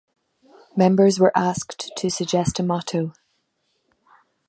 Members were asked to suggest a motto.